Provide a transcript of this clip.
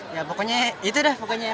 ya pokoknya itu deh